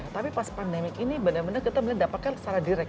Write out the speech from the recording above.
tapi pas pandemi ini benar benar kita benar benar dapatkan secara direct